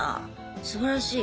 すばらしい。